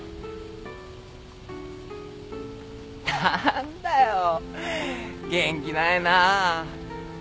何だよ元気ないなあ。